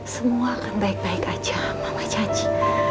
semua akan baik baik aja pangga janji